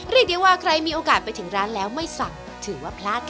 เรียกได้ว่าใครมีโอกาสไปถึงร้านแล้วไม่สั่งถือว่าพลาดนะ